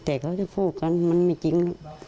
แต่เขาจะพูดกันมันไม่จริง